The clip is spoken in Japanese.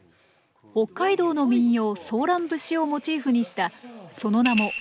北海道の民謡「ソーラン節」をモチーフにしたその名も３４１２。